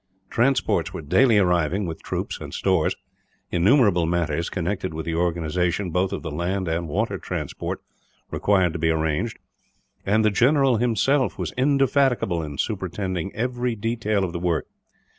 Transports were daily arriving with troops and stores; innumerable matters connected with the organization, both of the land and water transport, required to be arranged; and the general himself was indefatigable in superintending every detail of the work.